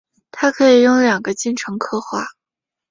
它可以用两个进程刻画。